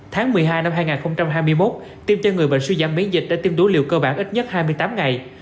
tháng một mươi hai năm hai nghìn hai mươi một tiêm cho người bệnh suy giảm biến dịch đã tiêm đủ liều cơ bản ít nhất hai mươi tám ngày